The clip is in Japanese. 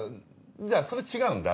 じゃあそれ違うんだ。